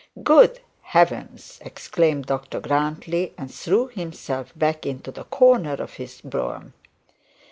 'Good heavens!' exclaimed Dr Grantly, and threw himself back into the corner of his brougham.